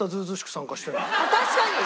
確かに！